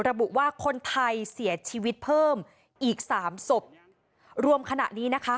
ระบุว่าคนไทยเสียชีวิตเพิ่มอีกสามศพรวมขณะนี้นะคะ